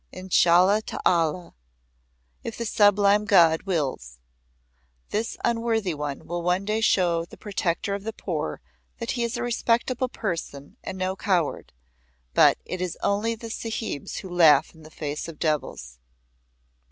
"Inshalla ta Alla! (If the sublime God wills!) this unworthy one will one day show the Protector of the poor, that he is a respectable person and no coward, but it is only the Sahibs who laugh in the face of devils."